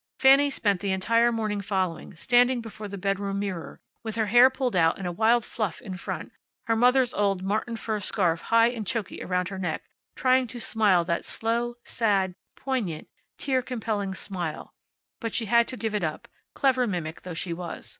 Fanny spent the entire morning following standing before the bedroom mirror, with her hair pulled out in a wild fluff in front, her mother's old marten fur scarf high and choky around her neck, trying to smile that slow, sad, poignant, tear compelling smile; but she had to give it up, clever mimic though she was.